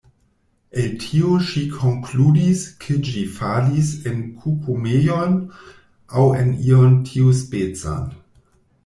El tio ŝi konkludis ke ĝi falis en kukumejon, aŭ en ion tiuspecan.